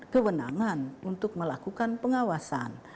kewenangan untuk melakukan pengawasan